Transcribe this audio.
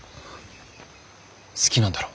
好きなんだろ？